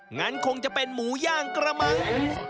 งั้นคงจะเป็นหมูย่างกระมัง